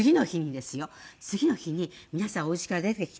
次の日に皆さんおうちから出てきて。